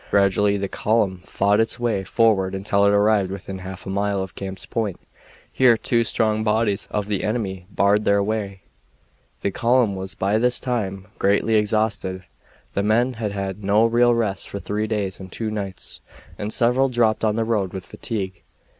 Gradually the column fought its way forward until it arrived within half a mile of Camp's Point. Here two strong bodies of the enemy barred their way. The column was by this time greatly exhausted; the men had had no real rest for three days and two nights, and several dropped on the road with fatigue.